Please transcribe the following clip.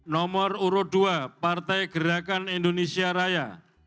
nomor urut dua partai gerakan indonesia raya